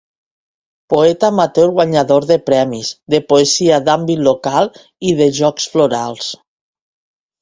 Poeta amateur guanyador de premis de poesia d’àmbit local i de jocs florals.